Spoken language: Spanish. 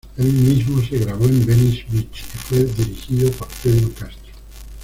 El mismo se grabó en Venice Beach y fue dirigido por Pedro Castro.